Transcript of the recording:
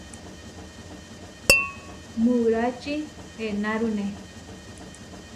Muráči enárune.